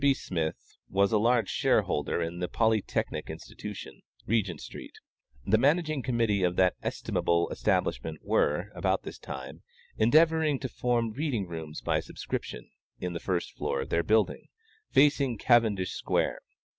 B. Smith was a large shareholder in the Polytechnic Institution, Regent street. The managing committee of that estimable establishment were, about this time, endeavoring to form reading rooms by subscription, in the first floor of their building, facing Cavendish square.